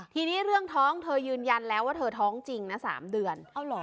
ทีนี้เรื่องท้องเธอยืนยันแล้วว่าเธอท้องจริงนะ๓เดือน